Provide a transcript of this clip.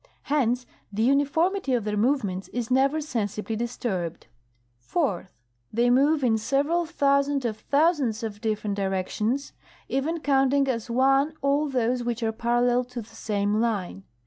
Hence the uniformity of their movements is never sensibly disturbed. Fourth. They move in several thousand of thousands of different directions, even counting as one all those which are parallel to the same line.